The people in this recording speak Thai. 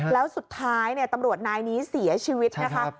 แล้วสุดท้ายตำรวจนายนี้เสียชีวิตนะคะ